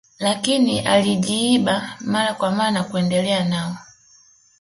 lakini alijiiba mara kwa mara na kuendelea nao